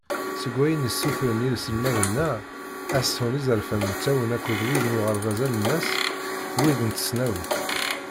Seg wayen i ssutren yiselmaden-a, ad sεun izerfan mtawan akked wid n uɣerbaz alemmas, d wid n tesnawit.